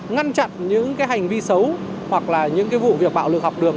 ngăn chặn những cái hành vi xấu hoặc là những cái vụ việc bạo lực học đường